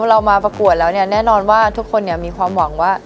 เรามาประกวดแล้วเนี่ยแน่นอนว่าทุกคนมีความหวังว่า